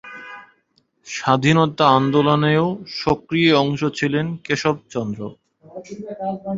স্বাধীনতা আন্দোলনেও সক্রিয় অংশ নিয়েছিলেন কেশবচন্দ্র।